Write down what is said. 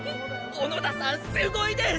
小野田さんすごいです！！